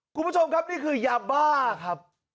คุณผู้ชมครับนี่คือยาบ้าครับ